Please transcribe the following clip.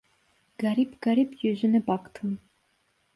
Garip garip yüzüne baktım.